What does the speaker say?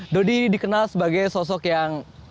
dodi dikenal sebagai sosok yang